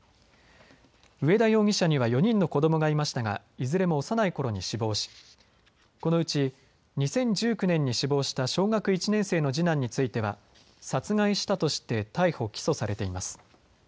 上田容疑者には４人の子どもがいましたがいずれも幼いころに死亡し、このうち２０１９年に死亡した小学１年生の次男については殺害したとして逮捕・起訴されています。